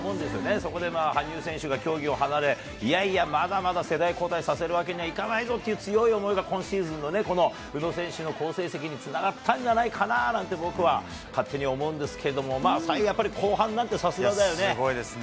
そこで羽生選手が競技を離れ、いやいや、まだまだ世代交代させるわけにはいかないぞっていう、強い思いが今シーズンのこの宇野選手の好成績につながったんじゃないかななんて、僕は勝手に思うんですけども、まあ、後半なんて、すごいですね。